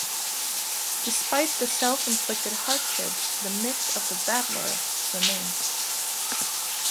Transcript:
Despite the self-inflicted hardship, the myth of the "battler" remains.